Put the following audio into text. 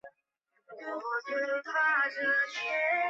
名称来自先进互动执行系统。